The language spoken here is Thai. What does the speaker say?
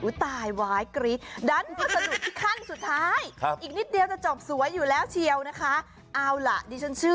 อุ้ยตายว้ายกรี๊ด